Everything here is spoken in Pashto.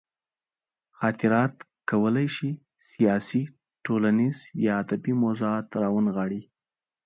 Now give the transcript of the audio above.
خاطرات کولی شي سیاسي، ټولنیز یا ادبي موضوعات راونغاړي.